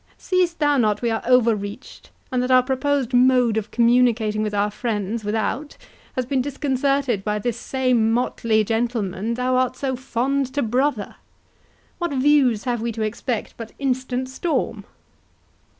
Seest thou not we are overreached, and that our proposed mode of communicating with our friends without has been disconcerted by this same motley gentleman thou art so fond to brother? What views have we to expect but instant storm?"